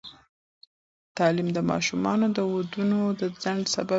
تعلیم د ماشومانو د ودونو د ځنډ سبب کېږي.